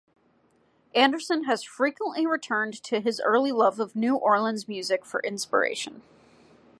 Anderson has frequently returned to his early love of New Orleans music for inspiration.